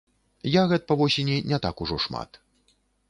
Ягад па восені не так ужо шмат.